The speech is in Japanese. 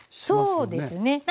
そうですね。